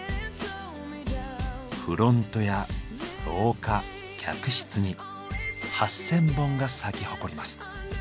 フロントや廊下客室に８０００本が咲き誇ります。